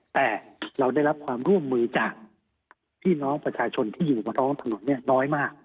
แต่เราได้รับความร่วมมือจากพี่น้องประชาชนที่อยู่บนท้องถนนน้อยมาก